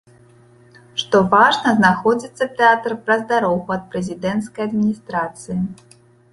Што важна, знаходзіцца тэатр праз дарогу ад прэзідэнцкай адміністрацыі.